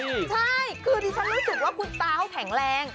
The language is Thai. ใช่คือดิฉันรู้สึกว่าคุณตาเขาแข็งแรง